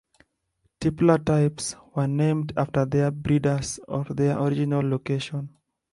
Tippler "types" were named after their breeders or their original location.